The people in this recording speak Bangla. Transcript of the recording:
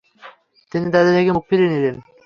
তিনি তাদের থেকে মুখ ফিরিয়ে নিলেন।